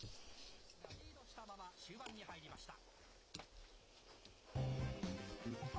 オリックスがリードしたまま、終盤に入りました。